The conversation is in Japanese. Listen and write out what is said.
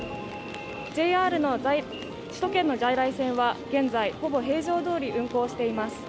ＪＲの首都圏の在来線は現在、ほぼ通常どおり運行しています。